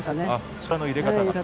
力の入れ方が。